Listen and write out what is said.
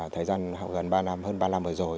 thời gian gần ba năm hơn ba năm vừa rồi